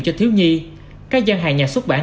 cho thiếu nhi các gian hàng nhà xuất bản